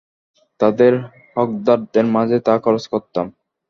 তাদের হকদারদের মাঝেই তা খরচ করতাম।